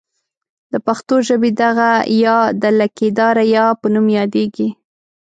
د پښتو ژبې دغه ۍ د لکۍ داره یا په نوم یادیږي.